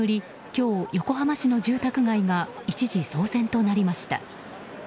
今日、横浜市の住宅街が一時騒然となりました。